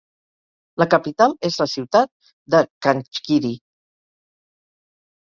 La capital és la ciutat de Çankırı.